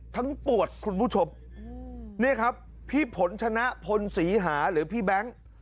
ปวดคุณผู้ชมนี่ครับพี่ผลชนะพลศรีหาหรือพี่แบงค์